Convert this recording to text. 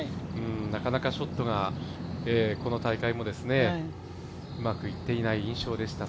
なかなかショットが、この大会もうまくいっていない印象でした。